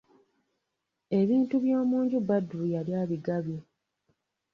Ebintu by'omunju Badru yali abigabye.